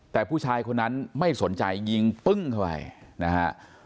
แต่ผู้ชายคนนั้นไม่สนใจยิงปึ้งเข้าไปนะฮะ